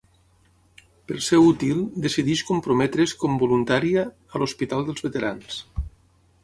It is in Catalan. Per ser útil, decideix comprometre's com voluntària a l'hospital dels veterans.